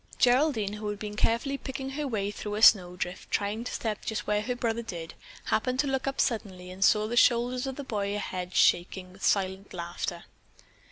Geraldine, who had been carefully picking her way through a snowdrift, trying to step just where her brother did, happened to look up suddenly and saw the shoulders of the boy ahead shaking with silent laughter.